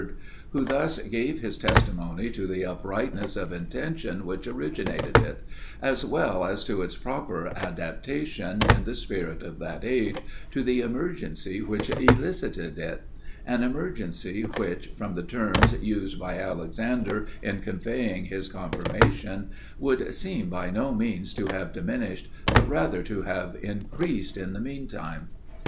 who thus gave his testimony to the uprightness of intention which originated it, as well as to its proper adaptation in the spirit of that age, to the emergency which elicited it; an emergency which, from the terms used by Alexander in conveying his confirmation, would seem by no means to have diminished, but rather to have increased in the mean time.